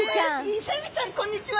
イセエビちゃんこんにちは！